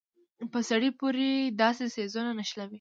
په سړي پورې داسې څيزونه نښلوي.